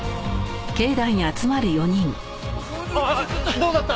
どうだった？